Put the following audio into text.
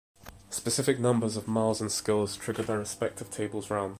Specific numbers of Miles and Skills trigger their respective tables' rounds.